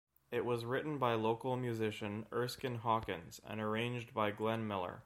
It was written by local musician Erskine Hawkins and arranged by Glenn Miller.